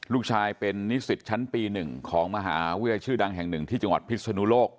ลูกชายเป็นนิสิตชั้นปี๑ของมหาวิทยาลัยชื่อดังแห่งหนึ่งที่จังหวัดพิศนุโลก